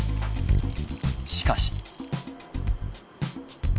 しかし。